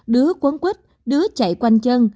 đứa quấn quýt đứa chạy quanh chân